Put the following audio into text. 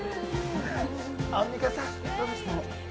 アンミカさん、いかがでしたか？